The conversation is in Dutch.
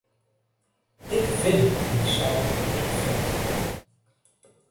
Ik vind die saus te vet.